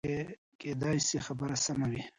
کېدای شي خبره سمه وي.